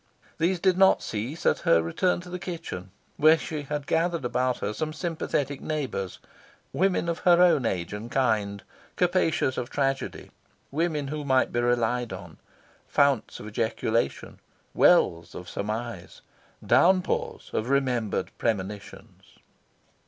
These did not cease at her return to the kitchen, where she had gathered about her some sympathetic neighbours women of her own age and kind, capacious of tragedy; women who might be relied on; founts of ejaculation, wells of surmise, downpours of remembered premonitions.